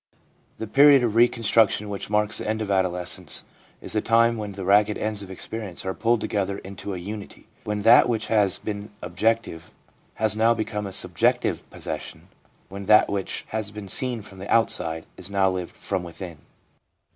The period of reconstruction which marks the end of adolescence is a time when the ragged ends of experience are pulled together into a unity, when that which has been objective has now become a subjective possession, when that which has been seen from the outside is now lived from within.